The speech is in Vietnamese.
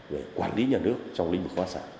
để quản lý nhà nước trong linh khóa sản